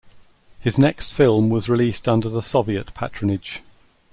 His next film was released under the Soviet patronage.